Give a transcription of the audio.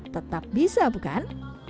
tetap bisa bukan